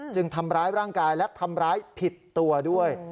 ทำร้ายร่างกายและทำร้ายผิดตัวด้วย